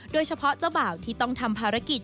โดยเฉพาะเจ้าเบาที่ต้องทำภารกิจ